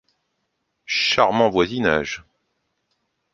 Charmant voisinage !